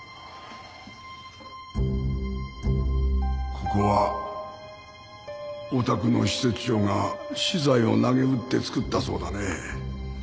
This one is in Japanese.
ここはおたくの施設長が私財をなげうって作ったそうだね？